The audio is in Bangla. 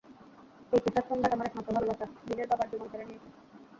এই পিশাচ সম্রাট আমার একমাত্র ভালোবাসা, লিনের বাবার জীবন কেড়ে নিয়েছে!